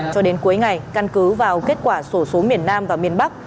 cho đến cuối ngày căn cứ vào kết quả sổ số miền nam và miền bắc